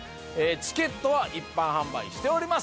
チケットは一般販売しております